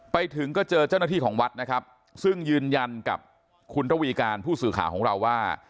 ไปถึงก็เจอเจ้าหน้าที่ของวัดนะครับซึ่งยืนยันกับคุณระวีการผู้สื่อข่าวของเราว่า